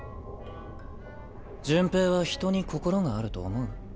順平は人に心があると思う？